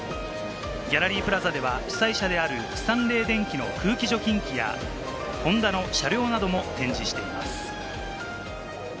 ギャラリープラザでは主催社であるスタンレー電気の空気除菌機やホンダの車両なども展示しています。